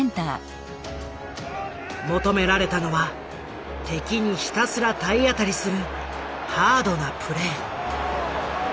求められたのは敵にひたすら体当たりするハードなプレー。